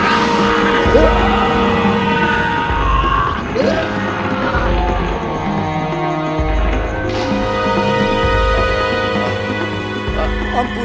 dan adik kamu mencari gara gara denganku